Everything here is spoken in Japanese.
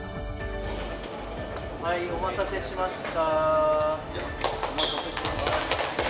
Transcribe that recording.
お待たせしました。